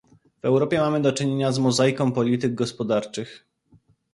W Europie mamy do czynienia z mozaiką polityk gospodarczych